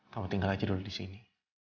kamu tinggal aja dulu di sini